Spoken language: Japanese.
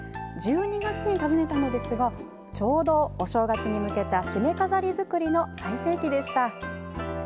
１２月に訪ねたのですがちょうどお正月に向けたしめ飾り作りの最盛期でした。